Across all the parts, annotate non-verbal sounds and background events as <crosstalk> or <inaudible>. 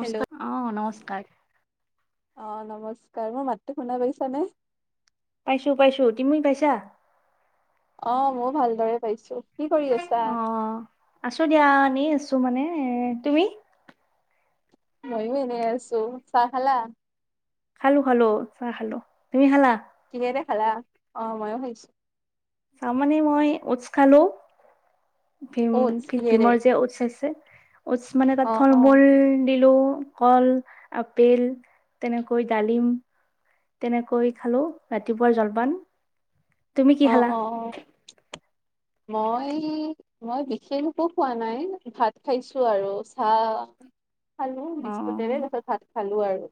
Hello অহ, নমস্কাৰ। অহ, নমস্কাৰ মোৰ মাতটো শুনাাই পাইছা নে। পাইছো পাইছো তুমি পাইছা। অহ, মইও ভালদৰে পাইছো। কি কৰি আছা অহ, আছো দিয়া এনেই আছো মানে এ তুমি। মইও এনেই আছো, চাহ‌ খালা। খালো খালো চাহ খালো, তুমি খালা। কিহেৰে খালা অহ, মইও খাইছো। তাৰ মানে মই উটচ্ খালো। অ'টছ কিহেৰে ভীম-ভীমৰ যে উটচ্ আছে। উটচ্ মানে তাত অ অ ফল-মূল। দিলো কল আপেল তেনেকৈ ডালিম। তেনেকৈ খালো ৰাতিপুৱাৰ জলপান। তুমি কি অ খালা। অ অ মই, মই বিশেষ একো খোৱা নাই ভাত খাইছো আৰু চাহ। খালো বিস্কুটৰে অ' তাৰ পিছত ভাত খালো আৰু।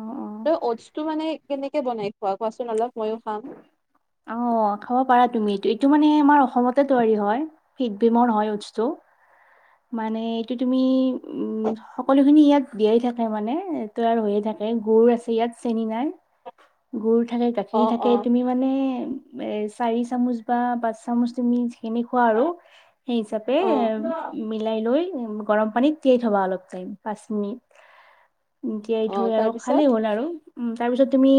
অ' তই অটছ্টো মানে কেনেকে বনাই খোৱা কোৱাচোন অলপ ময়ো খাম। অহ। অহ, খাব পাৰা তুমি এইটো এইটো মানে আমাৰ অসমতে তৈয়াৰী হয়, হিড বিমৰ হয় উটচটো। মানে এইটো তুমি উম, সকলোখিনি ইয়াত দিয়াই থাকে মানে তৈয়াৰ হৈয়ে থাকে। মানে গুৰ আছে ইয়াত চেনি নাই। গুৰ থাকে অ গাখীৰ থাকে, অ তুমি মানে এ চাৰি চামুচ বা পাঁচ চামুচ তুমি। সেইখিনি খোৱা আৰু সেই হিচাপে অ এ মিলাই লৈ উম, গৰম পানীত তিয়াই থবা অলপ টাইম পাঁচ মিনিট। তিয়াই অ থৈ আৰু তাৰপিছত খালেই হ'ল আৰু। উম তাৰ পিছত তুমি,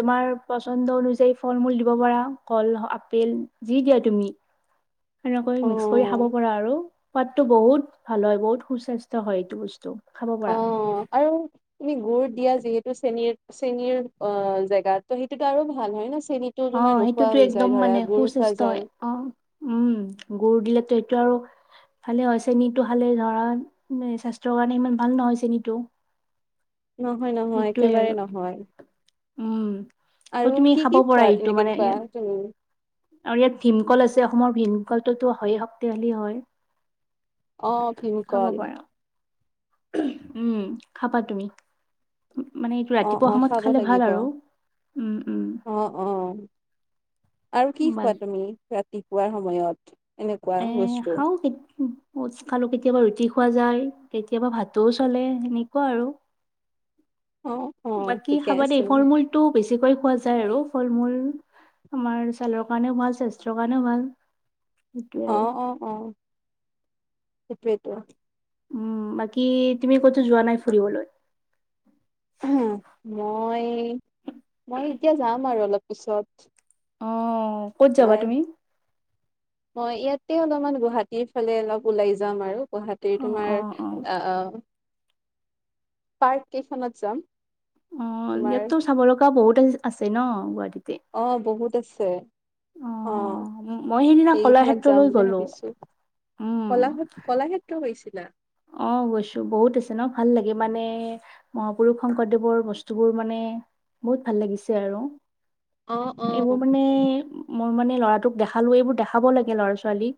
তোমাৰ পচন্দ অনুযায়ী ফল-মূল দিব। দিব পাৰা কল হওঁক আপেল যি দিয়া তুমি। সেনেকৈ মিক্স কৰি অ খাব পাৰা আৰু সোৱাদটো বহুত ভাল হয় বহুত সুস্বাস্থ্য হয় এইটো বস্তু। খাব পৰা অহ, আৰু তুমি গুৰ। দিয়া যিহেতু, চেনিৰ চেনিৰ অহ, জেগাত ত সেইটোতো আৰু ভাল হয় ন। চেনীটো অহ, তোমাৰ নোখোৱা সেইটোতো হৈ যায় একদম ধৰা মানে গুড় খোৱা সু-চেষ্ট। যায় অহ, উম, গুৰ দিলে সেইটো আৰু ভালে হয় চেনীটো খালে ধৰা স্বাস্থ্যৰ কাৰণে ইমান ভাল নহয় চেনীটো। নহয়, নহয়, একেবাৰে নহয়। উম ত', আৰু তুমি কি খাব কি খোৱা পৰাৰ এনে এইটো মানে কেনেকুৱা ইয়াত, তুমি আৰু ইয়াত ভীমকল আছে অসমৰ ভীম। অকলটোতো হয়, শক্তিশালী হয়। অ খাব ভীমকাল পাৰা উম খাবা তুমি। মানে এইটো অ ৰাতিপুৱা অ সময়ত খাব খালে ভাল লাগিব আৰু অ উম উম। অ আৰু কি বাকী খোৱা তুমি ৰাতিপুৱাৰ সময়ত এনেকুৱা বস্তু উ খালো কেতিয়াবা ৰুটি খোৱা যায়। কেতিয়াবা ভাতও চলে সেনেকুৱা আৰু <inaudible> অ অ বাকী ঠিকে খাবা দেই আছে ফল মূলতটো বেছিকৈ খোৱা যায় আৰু। ফল মূল আমাৰ ছালৰ কাৰণেও ভাল স্বাস্থ্যৰ কাৰণেও ভাল এতিয়া আৰু সেইটোৱে টো। উম বাকী তুমি কতো যোৱা নাই ফুৰিবলৈ। মই মই এতিয়া যাম আৰু অলপ পিছত অ'ক'ত যাবা তুমি। হয় ইয়াতে অলপমান গুৱাহাটীৰ ফালে অলপ ওলাই যাম আৰু গুৱাহাটীৰ তোমাৰ অ অ। পাৰ্ক কেইখনত যাম অ তোমাৰ ইয়াততো চাব লগা বহুত আ আছে ন গুৱাহাটীত অ বহুত আছে। অ' মই সেইদিনা এইকেইখনত যাম কলাক্ষেত্ৰলৈ বুলি গ'লো ভাবিছো উম কলা কলাক্ষেত্ৰ হৈছিল অ গৈছো বহুত আছে ন ভাল লাগে মানে মহাপুৰুষ শংকৰদেৱৰ বস্তুবোৰ মানে। বহুত ভাল লাগিছে আৰু অ অ এইবোৰ মানে মোৰ মানে লৰাটোক দেখালো এইবোৰ দেখাব লাগে লৰা ছোৱালী।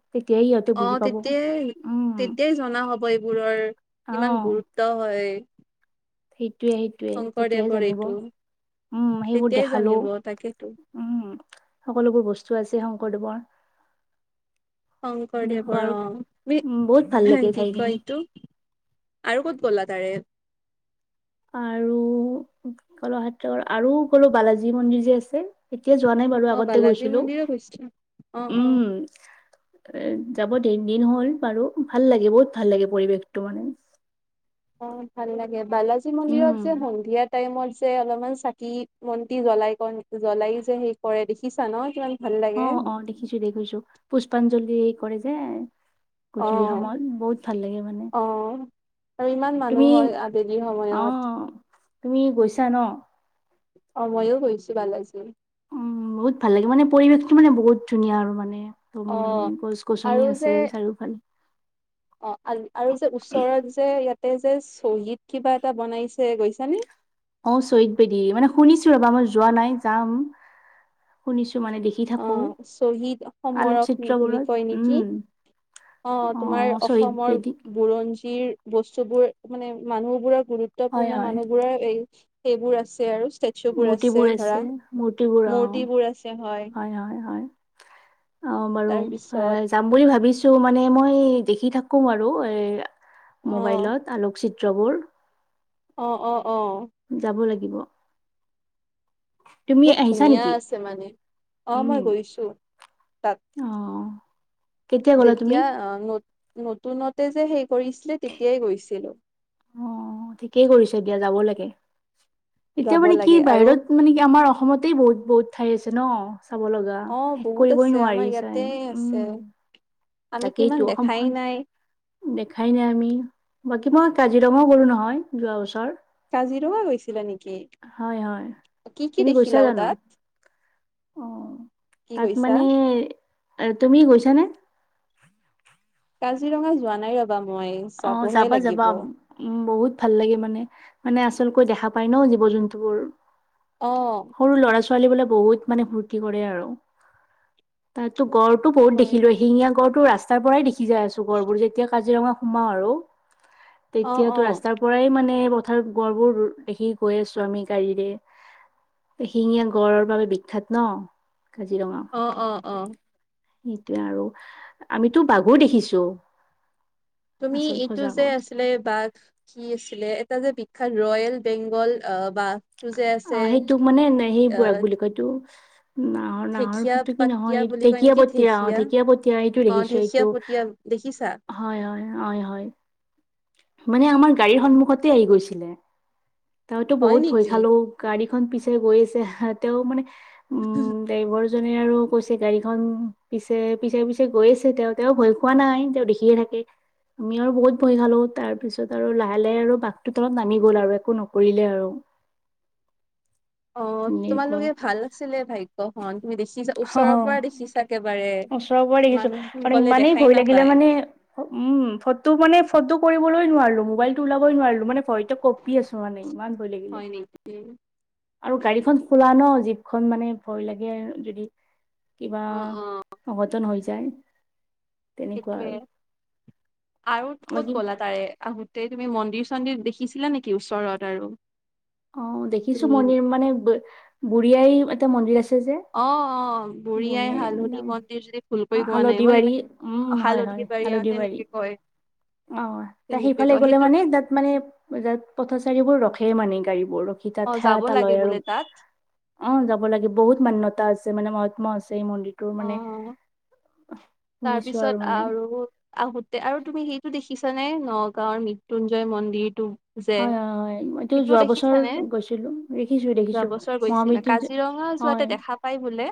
অ তেতিয়াই তেতিয়াই জনা হ'ব এই বোৰৰ কিমান গুৰুত্ব হয় ঠিক। সেইটোৱে সেইটোৱে তেতিয়াই শংকৰদেৱৰ জানিব এইটো উম সেইবোৰ তেতিয়াই দেখালো জানিব তাকেতো উম সকলোবোৰ বস্তু আছে শংকৰদেৱৰ এনেকুৱা শংকৰদেৱৰ আৰু অ', উম বহুত ভাল লাগে কি ঠাইখিনি কয় এইটো আৰু ক'ত গ'লা তাৰে। আৰু কলাক্ষেত্ৰ আৰু গলো বালাজী মন্দিৰ যে আছে এতিয়া যোৱা নাই বাৰু অ আগতে বালাজী গৈছিলো মন্দিৰো গৈছিলা অ অ উম। এ যাব দিন দিন হ'ল বাৰু ভাল লাগে বহুত ভাল লাগে পৰিৱেশটো মানে। অ ভাল লাগে বালাজী মন্দিৰত উম। যে সন্ধিয়াত। টাইমত যে অলপমান চাকি মন্তি জ্বলাই ক জ্বলাই যে সেই কৰে দেখিছা ন কিমান। ভাল অ লাগে অ দেখিছো দেখিছো পুষ্পাঞ্জলি কৰে যে অ গধূলি সমত বহুত ভাল লাগে মানে। অ আৰু ইমান মানুহ তুমি হয় আবেলি সময়ত আহ তুমি গৈছা ন? অ ময়ো গৈছো বালাজি। উম বহুত ভাল লাগে মানে পৰিৱেশটো মানে বহুত ধুনীয়া আৰু মানে তম অ মানে গছ আৰু গছনি যে আছে চাৰিওফালে অ আৰু যে ওচৰত যে ইয়াতে যে শ্বহীদ কিবা এটা বনাইছে গৈছানে? অ শ্বহীদ বেদী মানে শুনিছো ৰবা মই যোৱা নাই যাম। শুনিছো মানে দেখি অ থাকো শ্বহীদ সমৰক বুলি আলোকচিত্ৰবোৰত কয় নেকি উম। অ তোমাৰ শ্বহীদ অসমৰ বেদী বুৰঞ্জীৰ। বস্তুবোৰ মানে মানুহ বোৰৰ হয় গুৰুত্বপূৰ্ণ হয় মানুহ বোৰৰ এই সেইবোৰ আছে আৰু ষ্টেচু বোৰ মূৰ্তিবোৰ ধৰা আছে। মূৰ্তিবোৰ আছে হয় অ বাৰু তাৰপিছত যাম বুলি ভাবিছো। মানে মই দেখি থাকো আৰু এ অ মোবাইলত আলোকচিত জবৰ অ-অ-অ, িব <inaudible> বহুত ধুনীয়া নেকি আছে মানে অহ উম মই গৈছো তাত। অ কেতিয়া গ'লা তুমি যেতিয়া নতুনতে যে সেই কৰিছিলে তেতিয়াই গৈছিলো অ' ঠিকেই কৰিছে এতিয়া যাব লাগে এতিয়া যাব মানে কি লাগে আৰু বাহিৰত মানে কি আমাৰ। অসমতেই বহুত-বহুত ঠাই আছে ন। চাব লগা অ শেষ বহুত কৰিবই আছে আমাৰ নোৱাৰি ইয়াতে চাই উম আছে আমি তাকেই কিমান এইটো দেখাই অসমখন নাই দেখাই নে আমি বাকী কি মই কাজিৰঙও গ'লো নহয় যোৱা বছৰ। কাজিৰঙা গৈছিলা নেকি হয় হয় কি-কি তুমি গৈছা দেখিলাও জানো? তাত। অ' কি তাত কৈছা? মানে তুমি গৈছানে। কাজিৰঙা যোৱা নাই ৰবা। মই অ যাবহে লাগিব। যাবা-যাবা অ উ বহুত ভাল লাগে মানে মানে আচলকৈ দেখা পায় ন জীৱ জন্তুবোৰ। অ বত ম ফ কৰে আৰু ত গ তো বহুত হয় দেখিলো শিঙীয়া গড়তো ৰাস্তাৰ পৰাই দেখি যাই আছো গড়বোৰ যেতিয়া কাজিৰঙা সোমাও আৰু। অ অ তেতিয়াতো ৰাস্তাৰ পৰাই মানে কথাৰ গড়বোৰ দেখি গৈ আছো আমি গাড়ীৰে এ শিঙীয়া গড়ৰ বাবে বিখ্যাত ন কাজিৰঙা। অ অ অ সেইটোৱে আৰু আমিতো বাঘুৰ দেখিছো তুমি আচল এইটো যে সঁচাকৈ আছিলে বাঘ কি আছিলে এটা যে খান ৰয়েল বেংগল আহ বাঘটো যে অ আছে সেইটোক অহ, নাহৰ-নাহৰ ফুটোকি পাতিয়া নহয় বুলি কয় নেকি ঢেকিয়াপটীয়া অ' ঢেঁকীয়া ঢেকীয়াপটীয়া এইটো অ দেখিছো ঢেঁকীয়া এইটো, পতিয়া দেখিছা হয় হয় হয় হয় মানে আমাৰ গাড়ীৰ সন্মুখতে আহি গৈছিলে ততো হয় বহুত ভয় নেকি? খালো গাড়ী খন পিছে গৈ আছে তেওঁ মানে উম, ড্ৰাইভৰ দুজনে আৰু কৈছে গাড়ীখন পিছে পিছে পিছে গৈ আছে তেওঁ তেওঁ ভয় খোৱা নাই তেওঁ দেখিয়ে থাকে আমি আৰু বহুত ভয় খালো। তাৰ পিছত আৰু লাহে লাহে আৰু বাঘটো তলত নামি গল আৰু একো নকৰিলে আৰু অ এনেকুৱা তোমালোকে ভাল আছিলে ভাগ্য়খনন তুমি দেখিছা ওচৰৰ অ পৰা দেখিছা একেবাৰে ওচৰৰ পৰা দেখিছো মানুহ আৰু গলে ইমানেই দেখাই ভয় লাগিলে নাপায় মানে উম, ফটো মানে ফটো কৰিবলৈ নোৱাৰো মোবাইলটো ওলাবই নোৱাৰিলো মানে ভয়ত কঁপি আছো মানে ইমান ভয় লাগিলে হয় নেকি? আৰু গাড়ীখন খোলা ন জীপখন মানে ভয় লাগে যদি কিবা। অ অ অঘটন হৈ যায় তেনেকুৱা সেইটোৱে আৰু আৰু বাকী ক'ত গ'লা তাৰে আগ ত তুমি মন্দিৰ চন্দিৰ দেখিছিলা নেকি ওচৰত আৰু অ' দেখিছো তুমি মন্দিৰ মানে বুঢ়িআই এটা মন্দিৰ আছে। যে অ অ বুঢ়ী আই বঢ় হালধি মন্দিৰ যদি ভুলকৈ কোৱা নাই হালধি মই বাৰী কিবা উম, হয় হয় হালধি হয় বাৰী অ হালধীয়া বাৰী। তেনেকে কয় অ ত তেনেকে সেইফালে কয় গ'লে সেইটো মানে তাত মানে তাত পথচাৰীবোৰ ৰখে সেই মানে গাড়ী বোৰ ৰখি তাত অ সে যাব এটা লাগে লয় আৰু বোলে তাত অ যাব লাগে বহুত মান্যতা আছে। মানে মহাত্মা আছে এই মন্দিৰটোৰ অ মানে। শুনিছো তাৰপিছত মানে আৰু আহোতে আৰু তুমি সেইটো দেখি। দেখিছানে নগাঁওৰ মৃত্যুঞ্জয় মন্দিৰটো যে হয় হয় হয় এইটো সেইটোও যোৱা বছৰ দেখিছানে গৈছিলো দেখিছো দেখিছো যোৱা বছৰ গৈছিলা মহামৃত্যুঞ্জয় কাজিৰঙা হয় যোৱাতে দেখা পা পাই বোলে।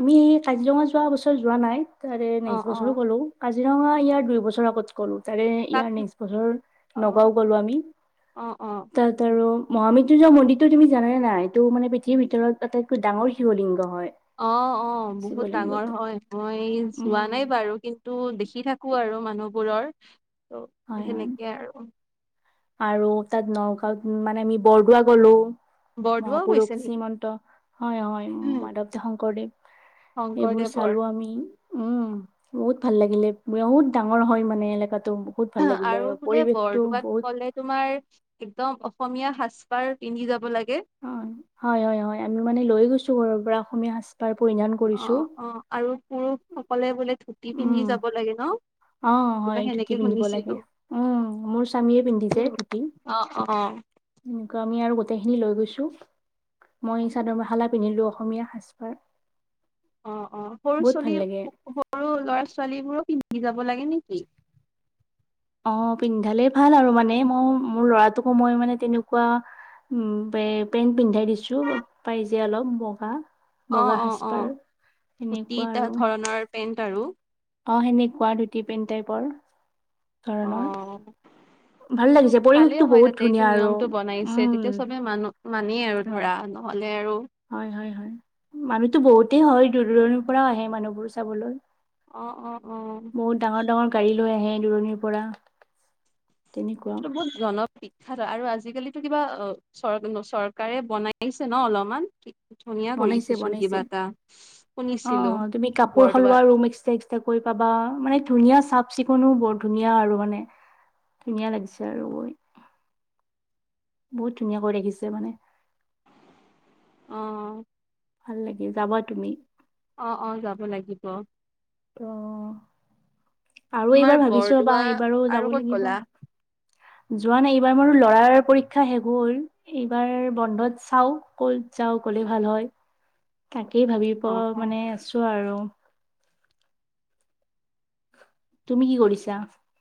আমি কাজিৰঙা যোৱা বছৰ যোৱা নাই তাৰে অ নেক্সট অ বছৰো গলো। কাজিৰঙা ইয়াৰ দুই বছৰ আগত গলো। তাক তাত ইয়াৰ নেক্সট বছৰ অ নগাও গলো আমি অ অ তাতাত আৰু। মহামৃত্যুঞ্জৰ মন্দিৰটো তুমি জানে নাই এইটো মানে পৃথিৱ ভিতৰত আটাইতো ডাঙৰ শিৱলিংগ হয়। অ - অ বহুত ডাঙৰ শিৱলিংগটো হয় মই যোৱা উম নাই বাৰু কিন্তু দেখি থাকো আৰু মানুহ বোৰৰ ত' হয় হয় সেনেকেই আৰু। আৰু তাত নগাঁওত মানে আমি বৰদোৱা গলোঁ। বৰদোৱাও মহাপৰুষ গৈছে নেকি? শ্ৰীমন্ত হয়- হয় উম, মাধৱ শংকৰদেৱ। এইবোৰ শংকৰদেৱৰ চালো আমি, উম। বহুত ভাল লাগিলে বহুত ডাঙৰ হয় মানে এলেকাটো। বহুত ভাল লাগিলে আৰু বোলে পৰিৱেশটো বৰদোৱাত বহুত ক'লে তোমাৰ একদম অসমীয়া সাজ পাৰ পিন্ধি যাব লাগে। অ হয়, হয়, হয় আমি মানে লৈ গৈছো ঘৰৰ পৰা অসমীয়া সাজ তাৰ পৰিধান কৰিছো। পুৰুষ সকলে বোলে ধুতি পিন্ধি উম যাব লাগে ন। অ, হয় কিবা ধুতি সেনেকে পিন্ধিব শুনিছিলো লাগে উম, মোৰ স্বামীয়ে পিন্ধিছে ধুতি। অ', অ', এনেকুৱা আমি আৰু গোটেইখিনি লৈ গৈছো মই চাদৰ মেখালা পিন্ধিলো অসমীয়া সাজ-পাৰ। অ - অ সৰু বহুত ভাল ছোৱালী লাগে সৰু ল'ৰা ছোৱালী বোৰো কি সি যাব লাগে নেকি? অ পিন্ধালে ভাল আৰু মানে মই মোৰ ল'ৰাটোকো মই মানে তেনেকুৱা। উম পে পেণ্ট পিন্ধাই দিছো পাই যে অলপ বগা। অ', বগা অ', অ'। সাজপাৰ কুৰ্তি এনেকুৱা আৰু। ধৰণৰ পেন্ট আৰু অ, সেনেকুৱা দুটি পেইণ টাইপৰ ধৰণৰ। অ', ভাল কিন্তু লাগিছে ভালেই পৰিৱেশটো হয় বহুত তাতে এইটো ধুনীয়া আৰু নিয়মটো বনাইছে উম তেতিয়া চবে মানুহ মানেই আৰু ধৰা নহ'লে। আৰু হয় হয় হয় মানুহটো বহুতে হয় দূৰ দূৰণিৰ পৰা আহে মানুহবোৰ চাবলৈ। অ', অ', অ। বহুত ডাঙৰ ডাঙৰ গাড়ী লৈ আহে দূৰণিৰ পৰা। তেনেকুৱা সটো বুত জন বিখ্যাত আৰু আজিকালি কিবা অ, চৰ - চৰকাৰে বনাইছে ন অলপমান। ধুনীয়া বনাইছে কৰিছেচোন কিবা বনাইছে, এটা শুনিছিলোঁ অঁ তুমি কাপোৰ সলোৱা বৰদোৱাত ৰুম এক্সটা এক্সটা কৰি পাবা মানে ধুনীয়া। চাফ চিকুণো বৰ ধুনীয়া আৰু মানে ধুনীয়া লাগিছে আৰু গৈ। বহুত ধুনীয়াাকৈ দেখিছে মানে। অ। ভাল লাগে যাবা তুমি। অ - অ যাব লাগিব। অ', আৰু তোমাৰ এইবাৰ ভাবিছো ৰবা বৰদোৱা এইবাৰো আৰু যাব ক'ত লাগিব গ'লা যোৱা নাই। এইবাৰ মোৰ ল'ৰাৰ পৰীক্ষা শেষ হ'ল এইবাৰ বন্ধত চাও ক'ত যাও গলে ভাল হয়। তাকেই ভাবিব অ', অ', মানে আছো আৰু তুমি কি কৰিছা?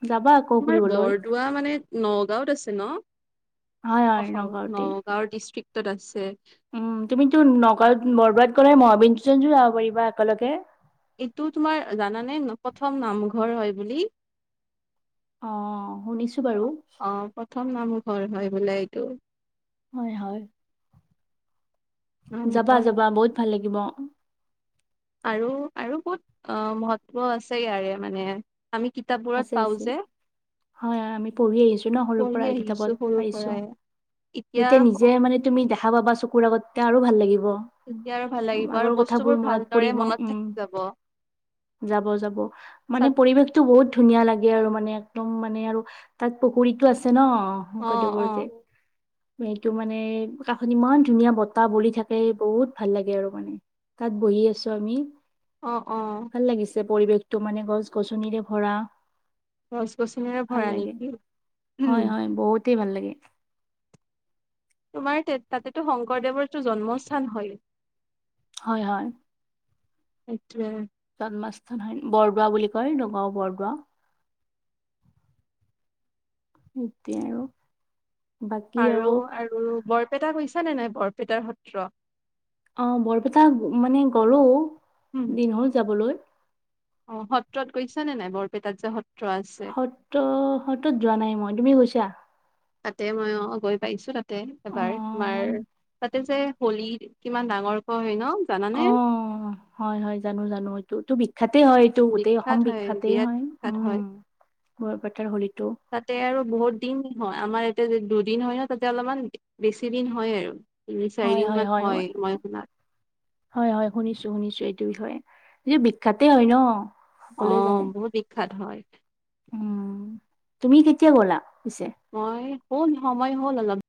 যাবা আকৌ তোমাৰ ফুৰিবলৈ বৰদোৱা মানে নগাওত আছে ন। হয় হয় অসম, নগাঁওতেই নগাঁও ডিষ্ট্ৰিক্টত আছে। উম তুমিতো নগাঁৱত বৰদোৱাত গ'লে। মহাবন্দুজনো যাব পাৰিবা একেলগে। এইটো তোমাৰ জানানে প্ৰথম নামঘৰ হয় বুলি। অ শুনিছো বাৰু অ, প্ৰথম নামঘৰ হয় বোলে এইটো। হয়- হয়। যাবা নামঘৰ যাবা বহুত ভাল লাগিব। আৰু আৰু বহুত অ, মহত্ব আছে ইয়াৰে মানে। আমি কিতাপবোৰত আছে পাওঁ আছে যে। হয় - হয় আমি পঢ়ি আহিছো ন সৰু পৰা পঢ়ি আহিছো কিতাপত সৰুৰ পাইছো। পৰাই এতিয়া তেতিয়া নিজে স- মানে তুমি দেখা পাবা চকুৰ আগতে আৰু ভাল লাগিব। এতিয়া আৰু ভাল লাগিব আৰু আগৰ কথাবোৰ বস্তুবোৰ মনত ভালদৰে পৰিব মনত উম, থাকি যাব। যাব যাব মানে চাত পৰিৱেশটো বহুত ধুনীয়া লাগে আৰু মানে একদম মানে আৰু তাত পুখুৰীটো আছে ন। অ, শংকৰ অ' দেবৰ অ' যে। সটো মানে কাষ ইমান ধুনীয়া বতাহ বলি থাকে বহুত ভাল লাগে আৰু মানে। তাত বহি আছো আমি। অ অ। ভাল লাগিছে পৰিৱেশটো মানে গছ-গছনিৰে ভৰা। গছ গছনিৰে ভাল ভৰা লাগে, নেকি উম হয় হয় বহুতেই ভাল লাগে। তোমাৰ তাতেতো শংকৰদেৱৰটো জন্মস্থান হয়। হয়- হয়। আতা জন্মস্থান হয় বৰদোৱা বুলি কয় নগাওঁ বৰদোৱা। এতিয়া আৰু আৰু আৰু বৰপেটা কৈছা নে নাই বৰপেটাৰ সত্ৰ। অ, বৰপেটা মানে গলো উম, দিন হ'ল যাবলৈ। অ, সত্ৰত গৈছ নে নাই বৰপেটাত যে সত্ৰত। সত্ৰ - সতত যোৱা নাই মই তুমি গৈছা। তাতে মই অ গৈ পাইছো তাতে অ এবাৰ, তোমাৰ তাতে যে হলীৰ কিমান ডাঙৰক হয় ন। জানানে? অ হয় হয় জানো জানো এইটোতো বিখ্যাতে হয় এইটো গোটেই অসম বিখ্যাতে হয়। তাত হয়। ব বটাৰ হলী তাতে আৰু বহুত দিন হয় আমাৰ। তে দুদিন হয় ন তাতে অলপমান বেছি দিন হয় আৰু। তিনি চাৰি হয় দিন হয় মান হয়, মই শুনাত। হয় হয় শুনিছো শুনিছো সেইটো বিখ্যাতে হয় ন। অ, সকলোৱে জানে বহুত বিখ্যাত হয়। উম, তুমি কেতিয়া গ'লা। পিছে? মই, হ'ল সময় হ'ল অলপ।